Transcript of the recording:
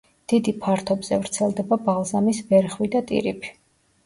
დიდი ფართობზე ვრცელდება ბალზამის ვერხვი და ტირიფი.